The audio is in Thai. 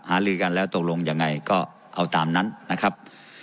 ลือกันแล้วตกลงยังไงก็เอาตามนั้นนะครับ